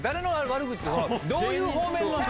どういう方面の人？